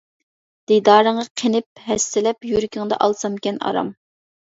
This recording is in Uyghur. دىدارىڭغا قېنىپ ھەسسىلەپ يۈرىكىڭدە ئالسامكەن ئارام.